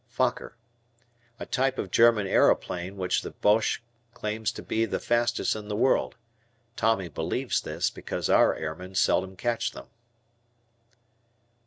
Fokker. A type of German aeroplane which the Boche claims to be the fastest in the world. Tommy believes this, because our airmen seldom catch them.